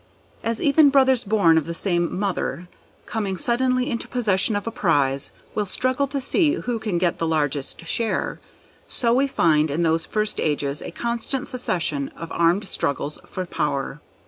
As even brothers born of the same mother, coming suddenly into possession of a prize, will struggle to see who can get the largest share, so we find in those first ages a constant succession of armed struggles for power.